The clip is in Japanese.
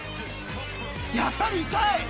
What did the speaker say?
［やっぱり痛い！